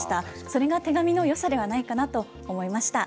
それが手紙のよさではないかなと思いました。